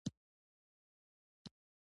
په ورغوي کې یې واچولې او ښه یې سره خیشته کړل.